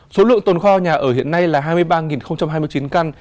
số lượng tồn kho nhà ở hiện nay là hai mươi ba hai mươi chín căn